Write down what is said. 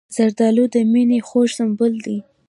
زردالو د مینې خوږ سمبول دی.